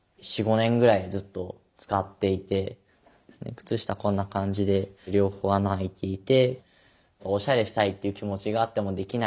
靴下こんな感じで両方穴あいていて。